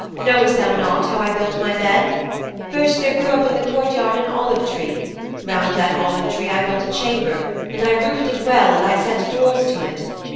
Knowest thou not how I built my bed? First, there grew up in the courtyard an olive tree. Round that olive tree I built a chamber, and I roofed it well and I set doors to it.